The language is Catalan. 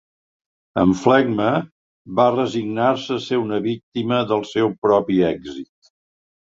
Amb flegma va resignar-se a ser una víctima del seu propi èxit.